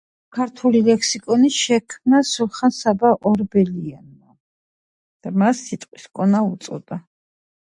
რენელი ყველაზე დიდი მარჯნის კუნძულია და შესულია იუნესკოს მსოფლიო მემკვიდრეობის სიაში.